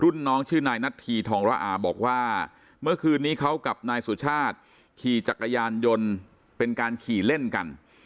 น้องชื่อนายนัทธีทองระอาบอกว่าเมื่อคืนนี้เขากับนายสุชาติขี่จักรยานยนต์เป็นการขี่เล่นกัน